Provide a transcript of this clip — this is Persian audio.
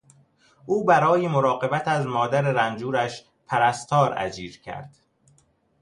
او برای مراقبت از مادر رنجورش پرستار اجیر کرد.